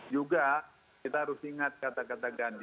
juga kita harus ingat kata kata gandhi